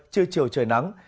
chưa chiều trời nắng